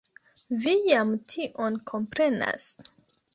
Vi jam tion komprenas?